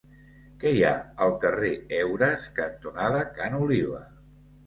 Què hi ha al carrer Heures cantonada Ca n'Oliva?